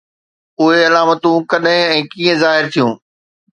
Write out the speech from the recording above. اهي علامتون ڪڏهن ۽ ڪيئن ظاهر ٿين ٿيون؟